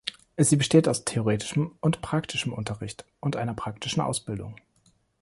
Sie besteht aus theoretischem und praktischem Unterricht und einer praktischen Ausbildung.